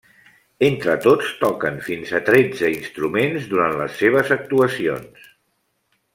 Entre tots toquen fins a tretze instruments durant les seves actuacions.